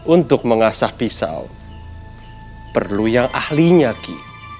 untuk mengasah pisau perlu yang ahlinya ki